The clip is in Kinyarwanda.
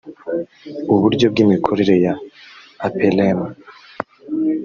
uburyo bw imikorere ya aprm